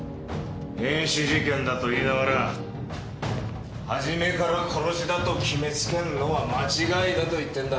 変死事件だと言いながらはじめから殺しだと決めつけるのは間違いだと言ってるんだ。